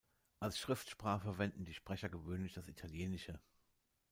Als Schriftsprache verwenden die Sprecher gewöhnlich das Italienische.